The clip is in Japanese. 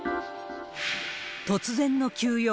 突然の休養。